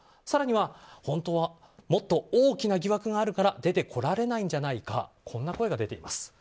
更には本当はもっと大きな疑惑があるから出てこられないんじゃないかこんな声が出ています。